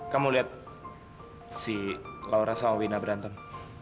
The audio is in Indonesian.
kamu lihat si laura sama wina berantem